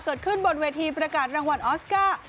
เกิดขึ้นบนเวทีประกาศรางวัลออสการ์